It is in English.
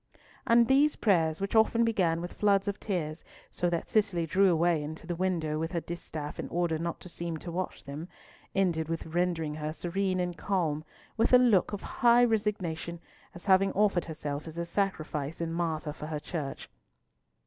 And these prayers, which often began with floods of tears, so that Cicely drew away into the window with her distaff in order not to seem to watch them, ended with rendering her serene and calm, with a look of high resignation, as having offered herself as a sacrifice and martyr for her Church.